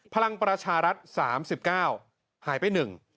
พลังประชารัฐ๓๙หายไป๑